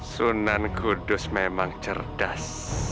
sunan kudus memang cerdas